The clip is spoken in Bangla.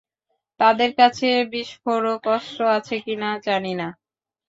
তাদের কাছে বিস্ফোরক, অস্ত্র আছে কিনা জানি না।